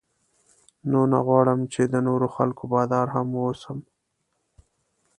نو نه غواړم چې د نورو خلکو بادار هم واوسم.